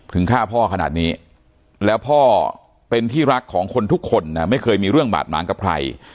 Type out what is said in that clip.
ฆ่าพ่อขนาดนี้แล้วพ่อเป็นที่รักของคนทุกคนไม่เคยมีเรื่องบาดหมางกับใคร